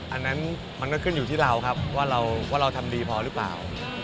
อันนั้นมันก็ขึ้นอยู่ที่เราครับว่าเราทำดีพอหรือเปล่า